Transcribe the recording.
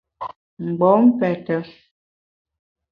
Mgbom pète.